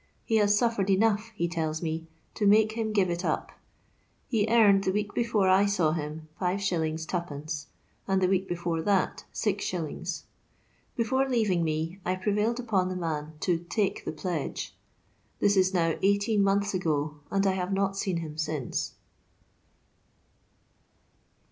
He has suffsred enough, he tells me, to make him give it up. He earned the week before I saw him 5«. 2d. ; and the week before that, 6s. Before leaving me I prevailed upon the man to " take the pledge." Tliis is now dghteen months ago, and I nave not seen him since.